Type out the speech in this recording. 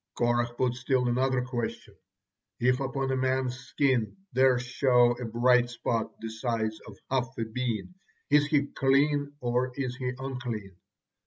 Korah put still another question: "If upon a man's skin there show a bright spot, the size of half a bean, is he clean or is he unclean?"